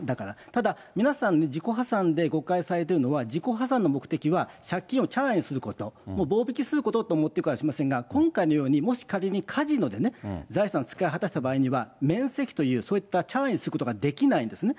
ただ皆さん、自己破産で誤解されているのは、自己破産の目的は借金をチャラにすること、棒引きすることだと思ってるかもしれませんが、今回のようにもし仮にカジノでね、財産を使い果たした場合には、免責というそういったちゃらにすることができないんですね。